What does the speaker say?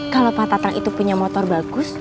kalau pak tatang itu punya motor bagus